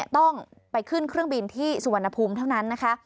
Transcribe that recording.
ต้องไปขึ้นเครื่องบินที่สุวรรณภูมิเท่านั้นนะคะ